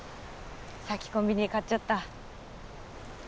さっきコンビニで買っちゃった。